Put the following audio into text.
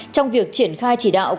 trong việc triển khai chỉ đạo